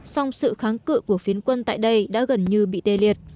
song sự kháng cự của phiến quân tại đây đã gần như bị tê liệt